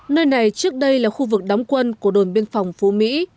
nơi này trước đây là khu vực đóng quân của đồn biên phòng phú mỹ